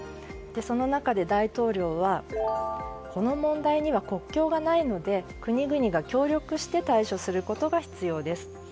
その中で大統領はこの問題には国境がないので国々が協力して対処することが必要です。